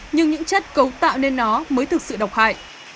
nhưng những chất cấu tạo nên nó mới thực sự độc hại